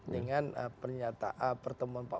dengan pernyataan pertemuan pak